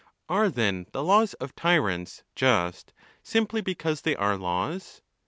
Are then the laws of tyrants just, simply because they are laws?